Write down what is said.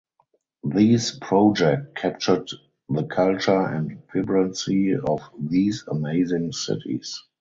These projects captured the culture and vibrancy of these amazing cities.